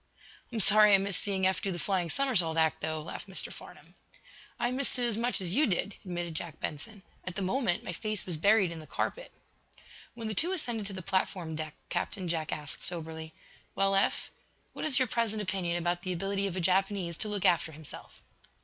"I'm sorry I missed seeing Eph do the flying somersault act, though," laughed Mr. Farnum. "I missed it as much as you did," admitted Jack Benson. "At the moment my face was buried in the carpet." When the two ascended to the platform deck Captain Jack asked, soberly: "Well, Eph, what is your present opinion about the ability of a Japanese to look after himself?"